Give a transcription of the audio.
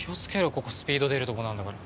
ここスピード出るとこなんだから。